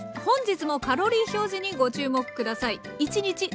本日もカロリー表示にご注目下さい。